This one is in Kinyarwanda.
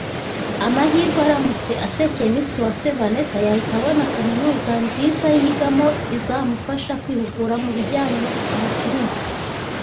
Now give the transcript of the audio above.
Amahirwe aramutse asekeye Miss Uwase Vanessa yahita abona kaminuza nziza yigamo izamufasha kwihugura mu bijyanye no gukina filime